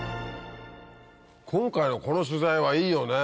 今回のこの取材はいいよね。